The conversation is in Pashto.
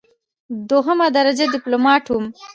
دوهمه درجه ډیپلوماټ وم.